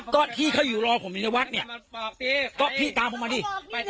ก็ที่เขาอยู่รอผมอยู่ในวัดเนี่ยก็พี่ตามผมมาดิ